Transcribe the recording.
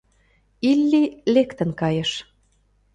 Илли лектын кайыш.